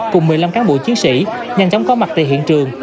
cùng một mươi năm cán bộ chiến sĩ nhanh chóng có mặt tại hiện trường